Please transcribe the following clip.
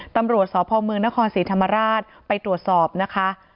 ตำรวจสพเมืองนครศรีธรรมราชไปตรวจสอบนะคะ